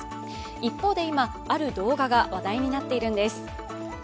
一方で今、ある動画が話題になっているんです。